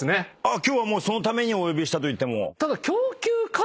今日はそのためにお呼びしたと言っても。